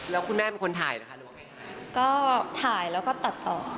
แล้วคุณแม่เป็นคนถ่ายนะคะหรือว่าไงคะก็ถ่ายแล้วก็ตัดต่อ